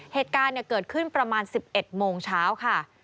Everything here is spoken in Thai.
เหตุการณ์เกิดขึ้นประมาณ๑๑โมงเช้าค่ะ